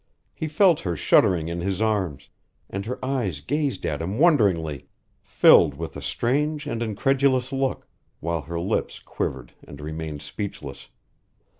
He felt her shuddering in his arms, and her eyes gazed at him wonderingly, filled with a strange and incredulous look, while her lips quivered and remained speechless.